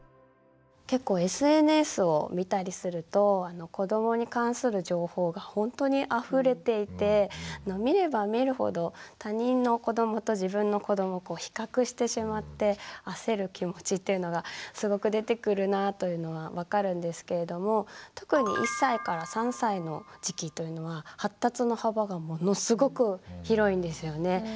結構ＳＮＳを見たりすると子どもに関する情報がほんとにあふれていて見れば見るほど他人の子どもと自分の子どもを比較してしまって焦る気持ちというのがすごく出てくるなというのは分かるんですけれども特に１歳から３歳の時期というのは発達の幅がものすごく広いんですよね。